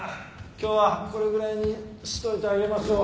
今日はこれぐらいにしといてあげましょう。